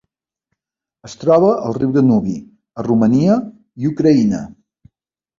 Es troba al riu Danubi a Romania i Ucraïna.